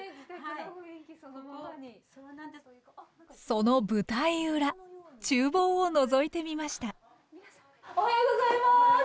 その舞台裏ちゅう房をのぞいてみましたおはようございます！